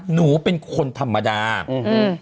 หนูเป็นคนธรรมดาอืม